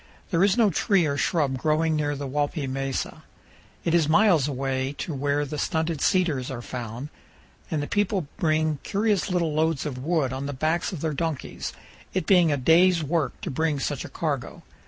There is no tree or shrub growing near the Walpi mesa. It is miles away to where the stunted cedars are found, and the people bring curious little loads of wood on the backs of their donkeys, it being a day's work to bring such a cargo.